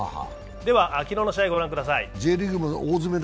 では、昨日の試合、ご覧ください。